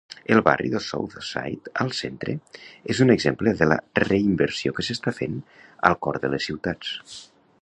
El barri de Southside, al centre, és un exemple de la reinversió que s'està fent al cor de les ciutats.